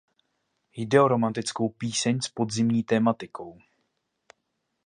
Jde o romantickou píseň s podzimní tematikou.